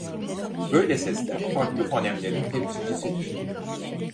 Böyle sesler farklı fonemlerin temsilcisidir.